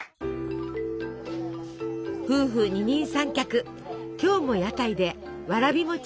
夫婦二人三脚今日も屋台でわらび餅を売ります。